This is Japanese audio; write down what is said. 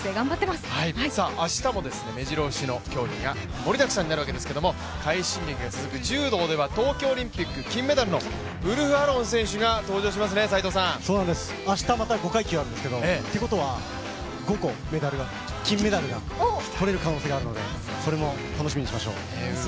明日もめじろ押しの競技が盛りだくさんになるわけですけれども快進撃が続く柔道では東京オリンピック金メダルのウルフ・アロン選手が登場しますね明日、また５階級あるんですが、ということは５個金メダルが取れる可能性があるので楽しみにしましょう。